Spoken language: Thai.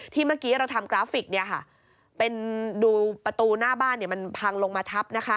เมื่อกี้เราทำกราฟิกดูประตูหน้าบ้านมันพังลงมาทับ